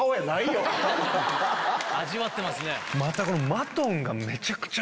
味わってますね。